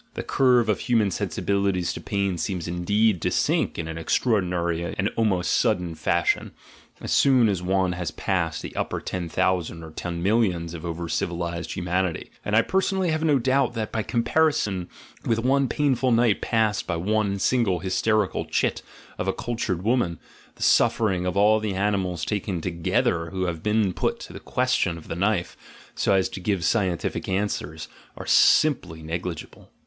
(The curve of human sensibilities to pain seems indeed to "GUILT" AND "BAD CONSCIENCE" 55 sink in an extraordinary and almost sudden fashion, as soon as one has passed the upper ten thousand or ten millions of over civilised humanity, and I personally have no doubt that, by comparison with one painful night passed by one single hysterical chit of a cultured woman, the suffering of all the animals taken together who have been put to the question of the knife, so as to give scien tific answers, are simply negligible.)